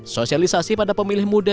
sosialisasi pada pemilih muda